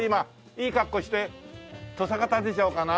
いいかっこして。とさか立てちゃおうかな。